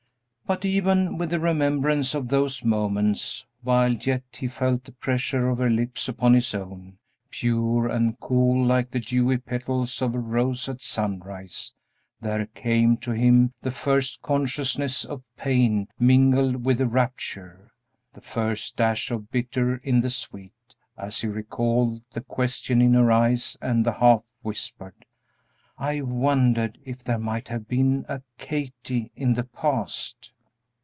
But even with the remembrance of those moments, while yet he felt the pressure of her lips upon his own, pure and cool like the dewy petals of a rose at sunrise, there came to him the first consciousness of pain mingled with the rapture, the first dash of bitter in the sweet, as he recalled the question in her eyes and the half whispered, "I wondered if there might have been a 'Kathie' in the past."